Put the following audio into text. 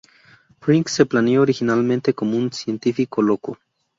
Frink se planeó originalmente como un científico loco.